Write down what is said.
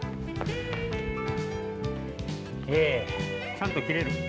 ちゃんときれる？